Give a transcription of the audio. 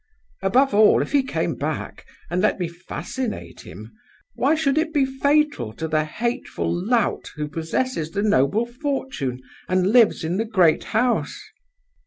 Above all, if he came back, and let me fascinate him, why should it be fatal to the hateful lout who possesses the noble fortune and lives in the great house?